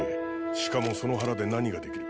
しかもその腹で何ができる？